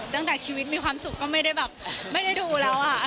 ตั้งแต่ชีวิตมีความสุขก็ไม่ได้ดูแล้วอะ